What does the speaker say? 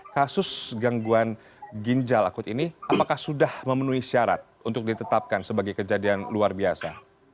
kasus gangguan ginjal akut ini apakah sudah memenuhi syarat untuk ditetapkan sebagai kejadian luar biasa